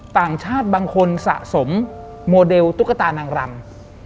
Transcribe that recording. ต่างชาติบางคนสะสมโมเดลตุ๊กตานางรำ